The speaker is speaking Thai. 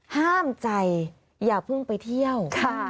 ห้ามใจอย่าเพิ่งไปเที่ยว